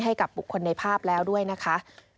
ให้กับบุคคลในภาพแล้วด้วยนะคะ